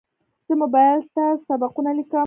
زه موبایل ته سبقونه لیکم.